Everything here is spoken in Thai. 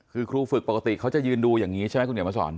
คือครูฝึกปกติเขาจะยืนดูอย่างนี้ใช่ไหมคุณเหนียวมาสอน